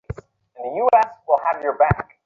সে হাততালি দিয়া কহিল, ভারি মজা হইবে।